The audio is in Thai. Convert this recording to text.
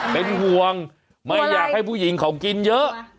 เป็นห่วงไม่อยากให้ผู้หญิงเขากินเยอะ